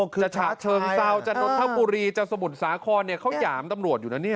คือจากจากสมุนสาครเนี่ยเขาหย่ามตำรวจอยู่น่ะเนี่ย